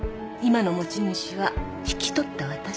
今の持ち主は引き取った私。